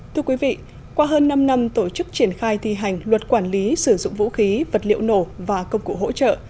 thưa quý vị qua hơn năm năm tổ chức triển khai thi hành luật quản lý sử dụng vũ khí vật liệu nổ và công cụ hỗ trợ